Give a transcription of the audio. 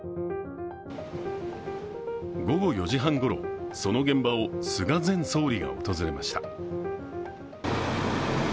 午後４時半ごろその現場を菅前総理が訪れました。